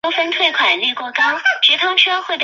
太平二十二年九月冯弘沿用。